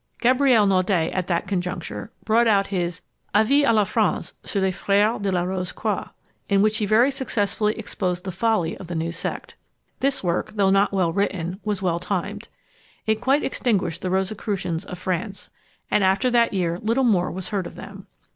Gabriel Naudé at that conjuncture brought out his Avis à la France sur les Frères de la Rose croix, in which he very successfully exposed the folly of the new sect. This work, though not well written, was well timed. It quite extinguished the Rosicrucians of France; and after that year little more was heard of them.